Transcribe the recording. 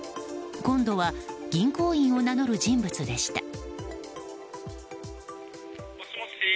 今度は銀行員を名乗る人物でした。